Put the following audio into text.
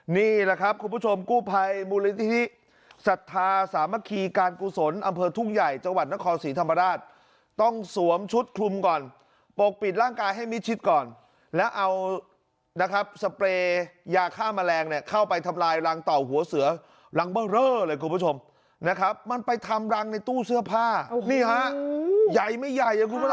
นี่แหละครับคุณผู้ชมกู้ภัยมูลนิธิสัทธาสามัคคีการกุศลอำเภอทุ่งใหญ่จังหวัดนครศรีธรรมราชต้องสวมชุดคลุมก่อนปกปิดร่างกายให้มิดชิดก่อนแล้วเอานะครับสเปรย์ยาฆ่าแมลงเนี่ยเข้าไปทำลายรังต่อหัวเสือรังเบอร์เรอเลยคุณผู้ชมนะครับมันไปทำรังในตู้เสื้อผ้านี่ฮะใหญ่ไม่ใหญ่คุณผู้ชม